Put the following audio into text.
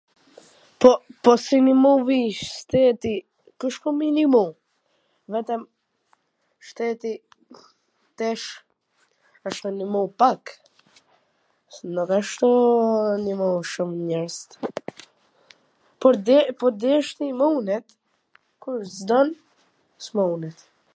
Po, po s i nimovi shteti, kush me i nimu? vetwm shteti tesh wsht me i nimu pak, nuk wsht tu i nimu shum njerzt, po deshti, munet, kur s' don, s' munet.